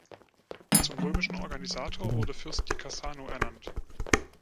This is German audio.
Zum römischen Organisator wurde Fürst Di Cassano ernannt.